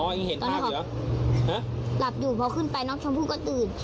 อ๋อยังเห็นภาพเหรอห้ะหลับอยู่เพราะขึ้นไปน้องชมพูก็ตื่น